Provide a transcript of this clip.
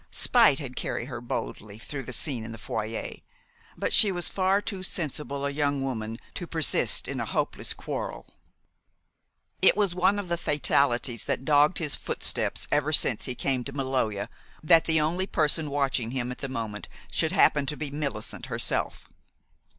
Spite had carried her boldly through the scene in the foyer; but she was far too sensible a young woman to persist in a hopeless quarrel. It was one of the fatalities that dogged his footsteps ever since he came to Maloja that the only person watching him at the moment should happen to be Millicent herself.